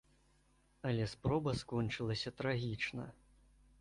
Але спроба скончылася трагічна.